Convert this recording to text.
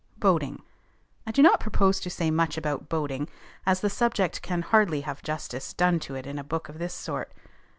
BOATING. I do not propose to say much about boating, as the subject can hardly have justice done to it in a book of this sort.